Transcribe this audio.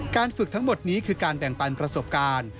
ฝึกทั้งหมดนี้คือการแบ่งปันประสบการณ์